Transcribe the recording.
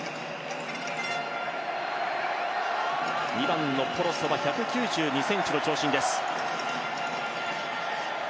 ２番のポロソは１９２ｃｍの長身です。